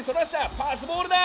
パスボールだ！